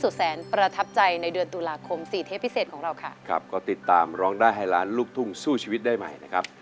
วันนี้ทุกคนขอลากับทุกคนครับสวัสดีครับ